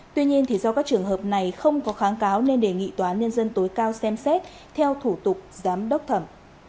tuy nhiên do các trường hợp này không có kháng cáo nên đề nghị tòa án nhân dân tối cao xem xét theo thủ tục giám đốc thẩm